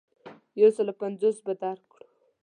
یو سلو پنځوس به درکړو.